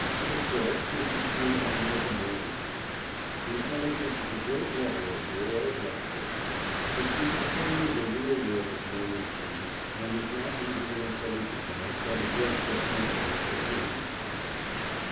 Of course this is true only of the more ignor ant. Intelligence is a great leveler here as elsewhere. It sees plainly the real worth of men and things, and is 502 PRESIDENT GRANT JUST AND IMPARTIAL. not easily imposed upon by the dressed up emptiness of human pride.